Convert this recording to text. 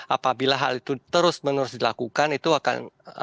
apabila hal itu terus menerus dilakukan itu akan